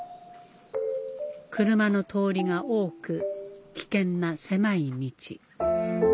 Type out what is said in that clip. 車の通りが多く危険な狭い道